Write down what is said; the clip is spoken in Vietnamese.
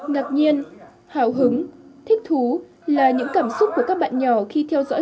ngạc nhiên hào hứng thích thú là những cảm xúc của các bạn nhỏ khi theo dõi